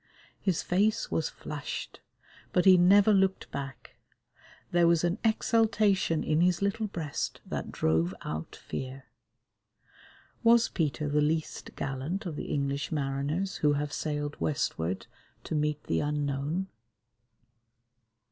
His face was flushed, but he never looked back; there was an exultation in his little breast that drove out fear. Was Peter the least gallant of the English mariners who have sailed westward to meet the Unknown?